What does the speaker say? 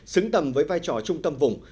xứng tầm với vai trò trung tâm vùng